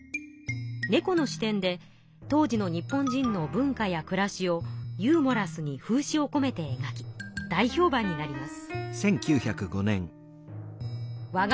猫の視点で当時の日本人の文化やくらしをユーモラスに風刺をこめて描き大評判になります。